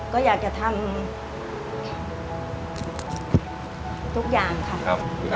ก็อยากจะทำทุกอย่างค่ะ